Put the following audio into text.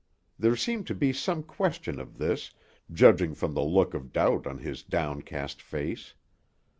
There seemed to be some question of this, judging from the look of doubt on his downcast face.